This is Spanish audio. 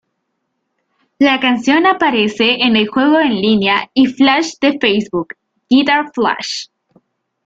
La canción aparece en el juego en línea y flash de Facebook Guitar Flash.